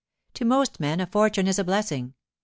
To most men a fortune is a blessing.